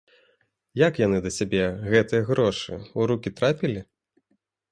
Як яны да цябе, гэтыя грошы, у рукі трапілі?